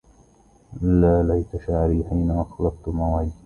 ألا ليت شعري حين أخلفت موعدي